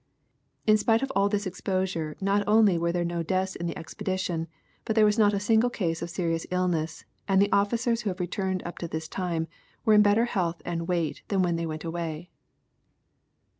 In spite of all this exposure not only were there no deaths in the expedition but there was not a single case of serious illness, and the ofiicers who have returned up to this time, were in better health and weight than when they went away.